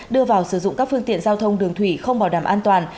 đưa vào sử dụng các phương tiện giao thông đường thủy không bảo đảm an toàn